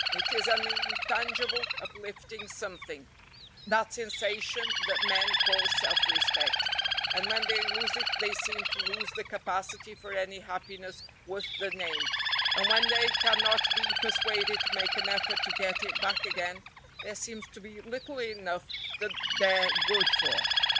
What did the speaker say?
It is an intangible, uplifting something, that sensation that men call self respect, and when they lose it they seem to lose the capacity for any happiness worth the name, and when they cannot be persuaded to make an effort to get it back again, there seems to be little enough that they're good for.